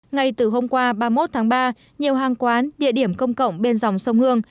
ngay từ hôm qua ba mươi một tháng ba nhiều hàng quán địa điểm công cộng bên dòng sông hương